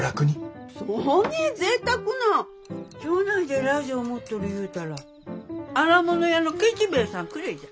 町内でラジオ持っとるいうたら荒物屋のケチ兵衛さんくれえじゃ。